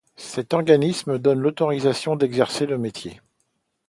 Cet organisme donne l’autorisation d’exercer le métier.